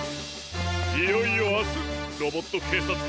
いよいよあすロボットけいさつ